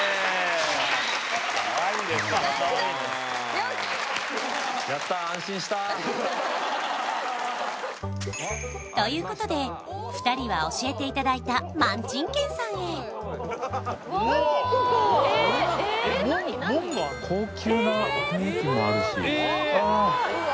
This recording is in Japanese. よっ！ということで２人は教えていただいた萬珍軒さんへ高級な雰囲気もあるしああうわ